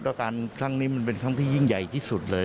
ก็การครั้งนี้มันเป็นครั้งที่ยิ่งใหญ่ที่สุดเลย